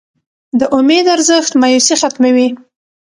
د امید ارزښت مایوسي ختموي.